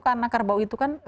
karena kerbau itu kan